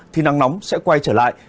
thì nắng nóng sẽ quay trở lại